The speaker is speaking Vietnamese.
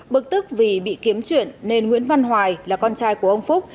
bực tức vì bị kiếm chuyện nên nguyễn văn hoài là con trai của ông phúc